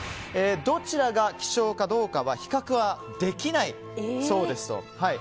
どちらが希少かどうかは比較はできないそうです。